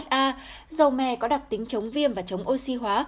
dầu me có đặc tính chống viêm và chống oxy hóa